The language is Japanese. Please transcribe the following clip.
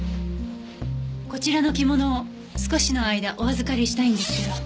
こちらの着物を少しの間お預かりしたいんですけど。